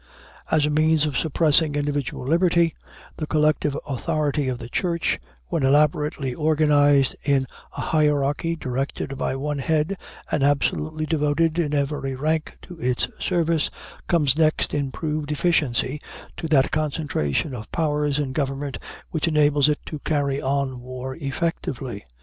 As a means of suppressing individual liberty, the collective authority of the Church, when elaborately organized in a hierarchy directed by one head and absolutely devoted in every rank to its service, comes next in proved efficiency to that concentration of powers in government which enables it to carry on war effectively.